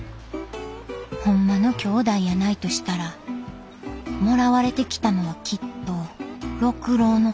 ホンマのきょうだいやないとしたらもらわれてきたのはきっと六郎の方。